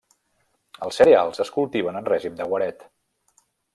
Els cereals es cultiven en règim de guaret.